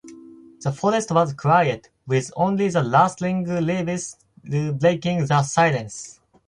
The forest was quiet, with only the rustling leaves breaking the silence.